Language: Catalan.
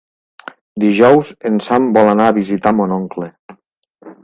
Dijous en Sam vol anar a visitar mon oncle.